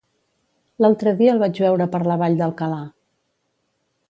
L'altre dia el vaig veure per la Vall d'Alcalà.